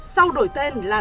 sau đổi tên là